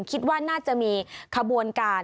คิดว่าน่าจะมีขบวนการ